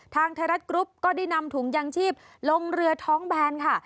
ทางไทยรัฐกรุ๊ปก็ได้นำถุงยางชีพลงเรือท้องแบนค่ะ